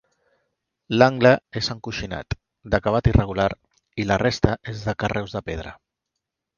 L'angle és encoixinat, d'acabat irregular, i la resta és de carreus de pedra.